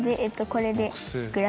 これで。